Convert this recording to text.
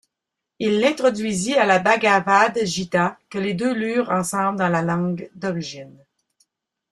Il l'introduisit à la Bhagavad-Gītā, que les deux lurent ensemble dans la langue d'origine.